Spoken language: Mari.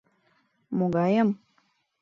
— Могайым?